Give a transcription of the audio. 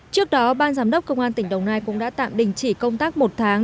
trước đó ban giám đốc công an tỉnh đồng nai cũng đã tạm đình chỉ công tác một tháng